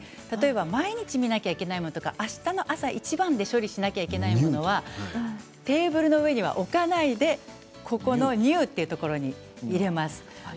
毎日、見なければいけないものあしたの朝一番で処理しなければいけないものというのはテーブルの上には置かないでＮＥＷというところに入れます。